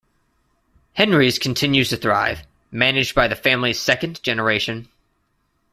Henry's continues to thrive, managed by the family's second generation.